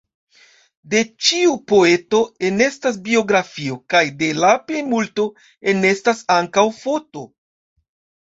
De ĉiu poeto enestas biografio, kaj de la plimulto enestas ankaŭ foto.